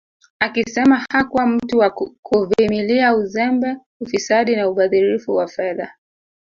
Akisema hakuwa mtu wa kuvimilia uzembe ufisadi na ubadhirifu wa fedha